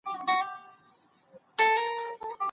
د کار کیفیت د ذهن د تمرکز سره تړلی دی.